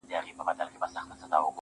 چي مي بایللی و، وه هغه کس ته ودرېدم ,